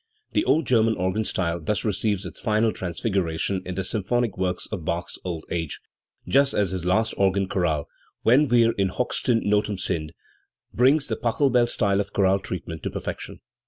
The old German organ style thus receives its final transfiguration in the symphonic works of Bach's old age, just as his last organ chorale, "Wenn wir in hochsten Ndten sind", brings the Pachelbel style of chorale treatment to perfection.